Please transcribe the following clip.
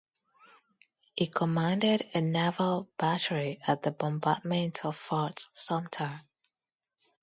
He commanded a naval battery at the bombardment of Fort Sumter.